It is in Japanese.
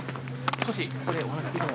少しここでお話聞いても？